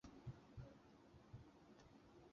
此等技术目前已应用于变频式冷气机等范畴。